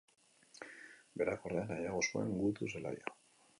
Berak, ordea, nahiago zuen gudu zelaia.